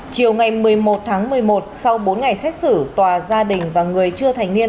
chiều ngày một mươi một tháng một mươi một sau bốn ngày xét xử tòa gia đình và người chưa thành niên